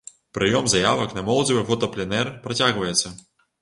Прыём заявак на моладзевы фотапленэр працягваецца.